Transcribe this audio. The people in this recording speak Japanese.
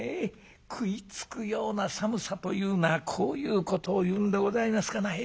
食いつくような寒さというのはこういうことを言うんでございますかなへえ。